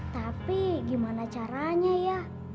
tapi gimana caranya